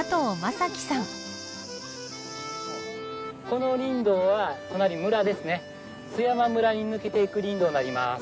この林道は隣村ですね須山村に抜けていく林道になります。